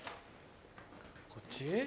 こっち？